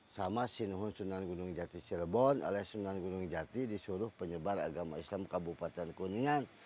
sama sinuhun sunan gunung jati cirebon alias sunan gunung jati disuruh penyebar agama islam kabupaten kuningan